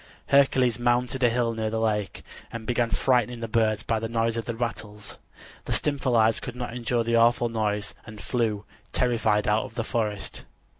Hercules mounted a hill near the lake, and began frightening the birds by the noise of the rattles. The Stymphalides could not endure the awful noise and flew, terrified, out of the forest.